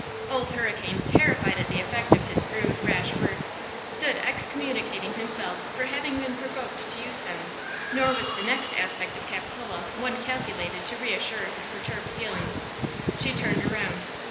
Old Hurricane, terrified at the effect of his rude, rash words, stood excommunicating himself for having been provoked to use them; nor was the next aspect of Capitola one calculated to reassure his perturbed feelings. She turned around.